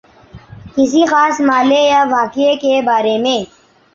کسی خاص مألے یا واقعے کے بارے میں